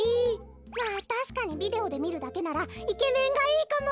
まあたしかにビデオでみるだけならイケメンがいいかも！